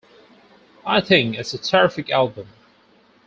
I think it's a terrific album.